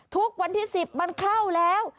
ทุกวันที่๑๐มันเข้าแล้ว